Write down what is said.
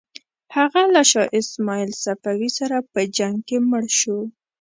هغه له شاه اسماعیل صفوي سره په جنګ کې مړ شو.